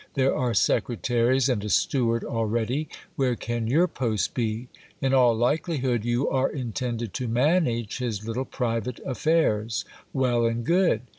There are secretaries and a steward already : where can your post be ? In all likeli hood you are intended to manage his little private affairs. Well and good